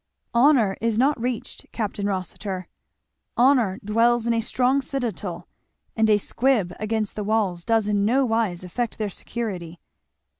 "Honour is not reached, Capt. Rossitur. Honour dwells in a strong citadel, and a squib against the walls does in no wise affect their security."